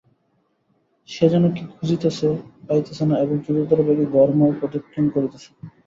সে যেন কী খুঁজিতেছে, পাইতেছে না এবং দ্রুততর বেগে ঘরময় প্রদক্ষিণ করিতেছে।